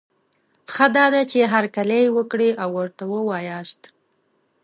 ښه دا ده، چي هرکلی یې وکړی او ورته وواياست